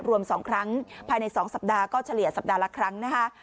รวม๒ครั้งภายใน๒สัปดาห์ก็เฉลี่ยสัปดาห์ละครั้งนะคะ